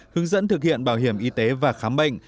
hướng dẫn thực hiện bảo hiểm y tế và khám bệnh